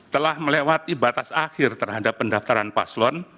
telah melewati batas akhir terhadap pendaftaran paslon